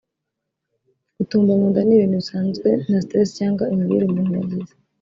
Gutumba mu nda ni ibintu bisanzwe bitewe na stress cyangwa imirire umuntu yagize